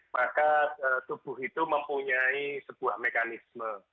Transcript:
maka tubuh itu mempunyai sebuah mekanisme